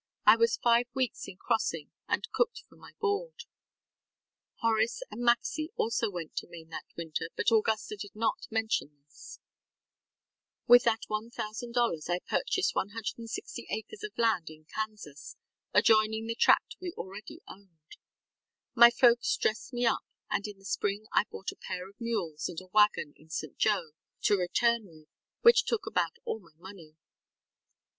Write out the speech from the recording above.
I was five weeks in crossing and cooked for my board. ŌĆØ (Horace and Maxcy also went to Maine that winter but Augusta did not mention this.) ŌĆ£With that $1,000, I purchased 160 acres of land in Kansas, adjoining the tract we already owned. My folks dressed me up, and in the spring I bought a pair of mules and a wagon in St. Joe to return with, which took about all my money.